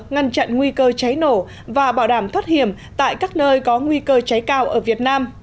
ngăn chặn nguy cơ cháy nổ và bảo đảm thoát hiểm tại các nơi có nguy cơ cháy cao ở việt nam